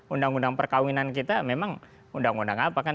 undang undang perkawinan kita memang undang undang apa kan